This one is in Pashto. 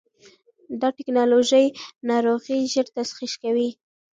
دا ټېکنالوژي ناروغي ژر تشخیص کوي.